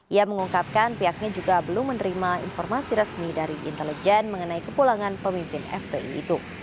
ia mengungkapkan pihaknya juga belum menerima informasi resmi dari intelijen mengenai kepulangan pemimpin fpi itu